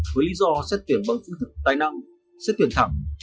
với lý do xét tuyển bằng chữ tài năng xét tuyển thẳng